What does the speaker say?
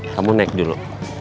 kamu naik dulu